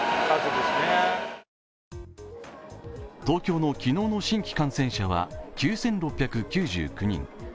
東京の昨日の新規感染者は９６９９人。